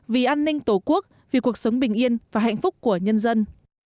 vì an ninh tổ quốc vì cuộc sống bình yên và hạnh phúc của nhân dân